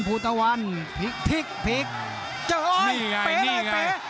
ภูตวรรณสิทธิ์บุญมีน้ำเงิน